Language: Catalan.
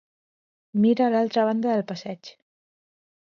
Mira a l'altra banda del passeig.